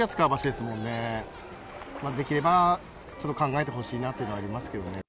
できればちょっと考えてほしいなっていうのはありますけどね。